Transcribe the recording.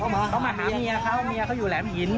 เขามาหาเมียเขาเมียเขาอยู่แหลมหิน